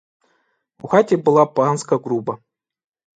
У хаті була панська груба.